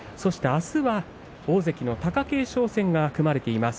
あすは大関の貴景勝戦が組まれています。